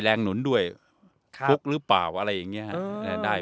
หนุนด้วยฟุกหรือเปล่าอะไรอย่างนี้ครับ